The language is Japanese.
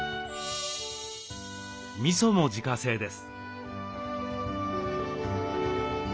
みそも自家製です。